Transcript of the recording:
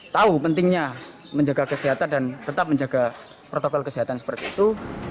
tahu pentingnya menjaga kesehatan dan tetap menjaga protokol kesehatan seperti itu